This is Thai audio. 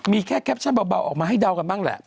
มีแค่แคปชั่นเบาออกมาให้เดากันบ้างแหละ